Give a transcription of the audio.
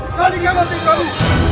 kali kematian kamu